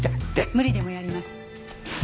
無理でもやります。